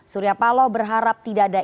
surya paloh berharap tidak ada